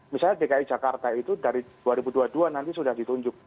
misalnya dki jakarta itu dari dua ribu dua puluh dua nanti sudah ditunjuk